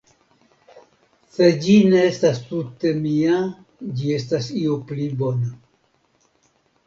Se ĝi ne estas tute mia ĝi estas io pli bona.